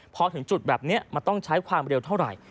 พอถึงจุดแบบนี้มันต้องใช้ความเร็วเท่าไหร่